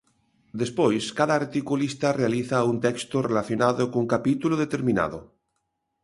Despois, cada articulista realiza un texto relacionado cun capítulo determinado.